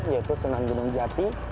yaitu sunan gunung jati